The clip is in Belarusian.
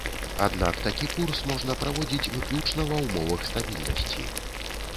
Аднак такі курс можна праводзіць выключна ва ўмовах стабільнасці.